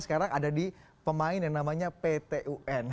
sekarang ada di pemain yang namanya pt un